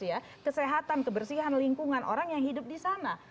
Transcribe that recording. ya kesehatan kebersihan lingkungan orang yang hidup di sana